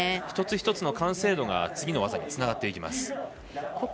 一つ一つの完成度が次の技につながっていきます。